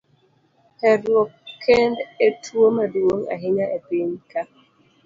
Herruok kend e tuo maduong' ahinya e piny ka.